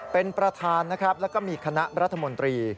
เป็นประธานและมีคณะรัฐมนตรี